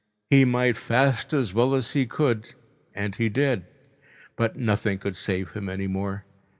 He might fast as well as he could—and he did—but nothing could save him any more.